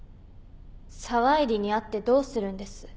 沢入に会ってどうするんです？